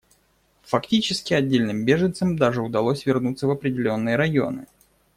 Фактически отдельным беженцам даже удалось вернуться в определенные районы.